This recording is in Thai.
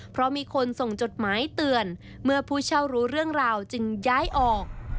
เพราะมีคนส่งจดหมายเตือนเมื่อผู้เช่ารู้เรื่องราวจึงย้ายออก